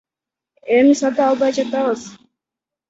Эми сата албай жатабыз.